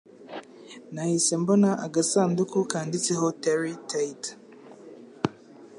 Nahise mbona agasanduku kanditseho Terry Tate